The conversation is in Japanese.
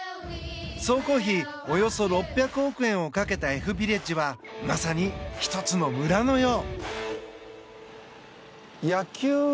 総工費およそ６００億円をかけたＦビレッジはまさに１つの村のよう。